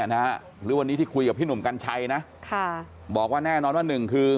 นะฮะหรือวันนี้ที่คุยกับพี่หนุ่มกัญชัยนะค่ะบอกว่าแน่นอนว่าหนึ่งคือ